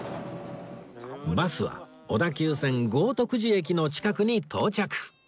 バスは小田急線豪徳寺駅の近くに到着